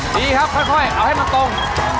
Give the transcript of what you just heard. ดีครับค่อยเอาให้มันตรง